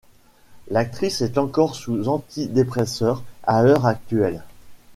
L'actrice est encore sous anti-dépresseurs à l'heure actuelle.